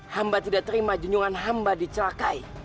hamba tidak terima junjungan hamba dicelakai